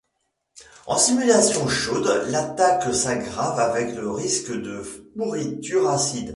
En situation chaude l'attaque s'aggrave avec le risque de pourriture acide.